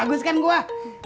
bagus kan gua